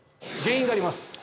原因があります。